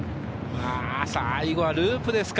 最後はループですか。